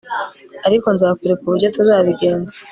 ariko nzakwereka uburyo tuzabigenza